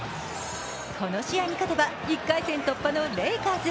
この試合に勝てば１回戦突破のレイカーズ。